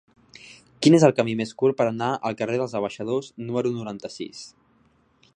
Quin és el camí més curt per anar al carrer dels Abaixadors número noranta-sis?